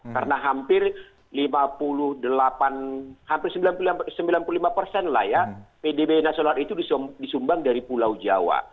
karena hampir sembilan puluh delapan persen pdb nasional itu disumbang dari pulau jawa